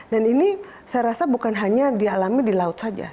dan ini saya rasa bukan hanya dialami di laut saja